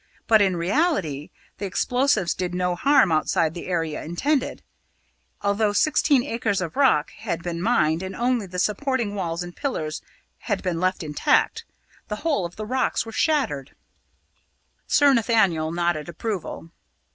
But, in reality, the explosive did no harm outside the area intended, although sixteen acres of rock had been mined and only the supporting walls and pillars had been left intact. The whole of the rocks were shattered." Sir Nathaniel nodded approval.